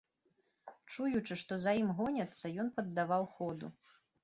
Чуючы, што за ім гоняцца, ён паддаваў ходу.